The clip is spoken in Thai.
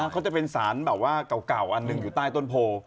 เขาจะเป็นสารแบบว่าเก่าอันหนึ่งอยู่ใต้ต้นโพ